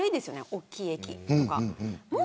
大きい駅とか。